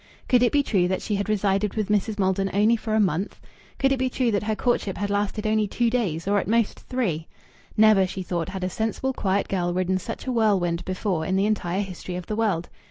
Could it be true that she had resided with Mrs. Maldon only for a month? Could it be true that her courtship had lasted only two days or at most, three? Never, she thought, had a sensible, quiet girl ridden such a whirlwind before in the entire history of the world.